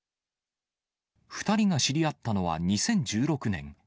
２人が知り合ったのは２０１６年。